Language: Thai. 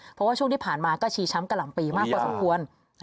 เพราะว่าช่วงที่ผ่านมาก็ชีช้ำกะหล่ำปีมากพอสมควร